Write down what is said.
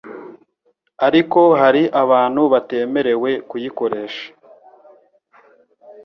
ariko hari abantu batemerewe kuyikoresha